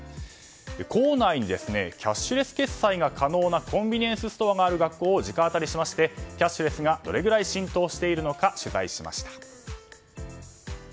校内にキャッシュレス決済が可能なコンビニエンスストアがある学校を直アタリしましてキャッシュレスがどれくらい浸透しているのか取材しました。